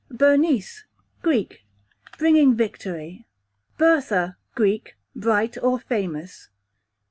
Bernice, Greek, bringing victory. Bertha, Greek, bright or famous.